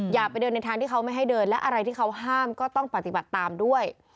อย่าไปเดินในทางที่เขาไม่ให้เดินและอะไรที่เขาห้ามก็ต้องปฏิบัติตามด้วย